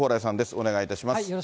お願いいたします。